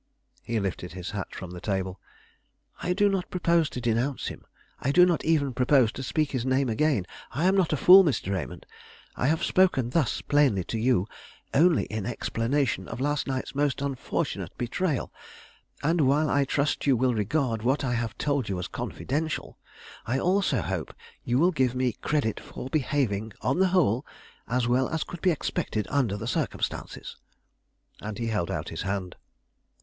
He lifted his hat from the table. "I do not propose to denounce him; I do not even propose to speak his name again. I am not a fool, Mr. Raymond. I have spoken thus plainly to you only in explanation of last night's most unfortunate betrayal; and while I trust you will regard what I have told you as confidential, I also hope you will give me credit for behaving, on the whole, as well as could be expected under the circumstances." And he held out his hand.